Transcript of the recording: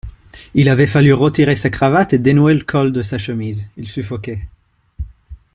Il avait fallu retirer sa cravate et dénouer le col de sa chemise, il suffoquait.